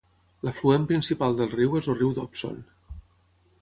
L'afluent principal del riu és el riu Dobson.